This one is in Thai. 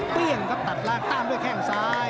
เปรี้ยงก็ตัดลากตามด้วยแค่งซ้าย